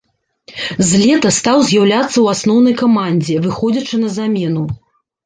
З лета стаў з'яўляцца ў асноўнай камандзе, выходзячы на замену.